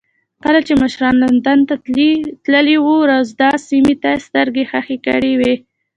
کله چې مشران لندن ته تللي وو رودز سیمې ته سترګې خښې کړې وې.